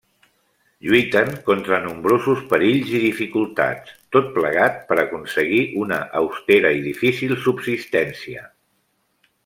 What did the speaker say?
Lluiten contra nombrosos perills i dificultats, tot plegat per aconseguir una austera i difícil subsistència.